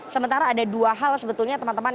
sementara ada dua hal sebetulnya teman teman